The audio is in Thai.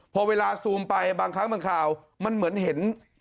พอเวลาซูมไปบางครั้งบางคราวมันเหมือนเห็น